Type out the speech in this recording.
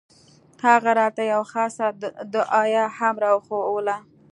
هغه راته يوه خاصه دعايه هم راوښووله.